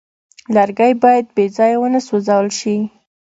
لرګی باید بېځایه ونه سوځول شي.